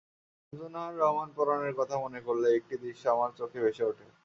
শামসুন্নাহার রহমান পরাণের কথা মনে করলেই একটি দৃশ্য আমার চোখে ভেসে ওঠে।